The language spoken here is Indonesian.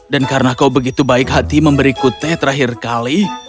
dan karena kau begitu baik hati memberiku teh terakhir kali